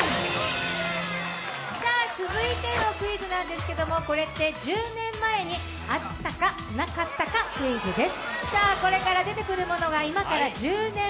続いてのクイズなんですけれども、これって１０年前にあったかなかったかのクイズです。